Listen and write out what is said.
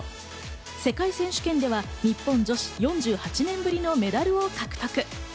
世界選手権では日本女子４８年ぶりのメダルを獲得。